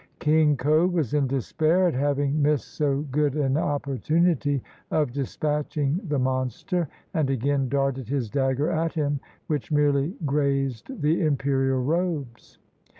King ko was in despair at having missed so good an opportunity of dispatching the mon ster, and again darted his dagger at him, which merely grazed the imperial robes.